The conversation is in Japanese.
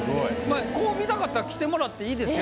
見たかったら来てもらっていいですよ。